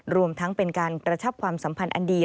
รวมทั้งเป็นการกระชับความสัมพันธ์อันดี